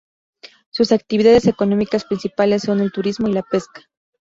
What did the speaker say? Sus actividades económicas principales son el turismo y la pesca.